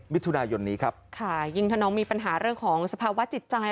มิถุนายนนี้ครับค่ะยิ่งถ้าน้องมีปัญหาเรื่องของสภาวะจิตใจ